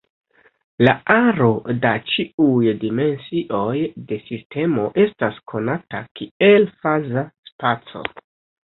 La aro da ĉiuj dimensioj de sistemo estas konata kiel faza spaco.